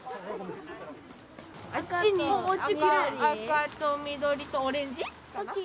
あっちに赤と緑とオレンジ。